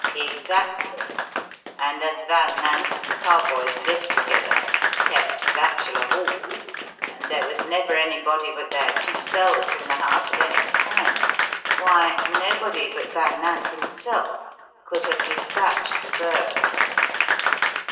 "Exactly. And as Van Nant and Carboys lived together kept Bachelor Hall and there was never anybody but their two selves in the house at any time, why, nobody but Van Nant himself could have despatched the bird.